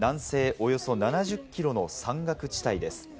およそ７０キロの山岳地帯です。